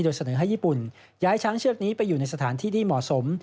โดยเสนอให้ญี่ปุ่นย้ายช้างเชือกนี้ไปอยู่ในสถานที่ที่เหมาะสม